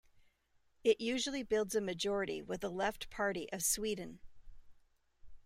It usually builds a majority with the Left Party of Sweden.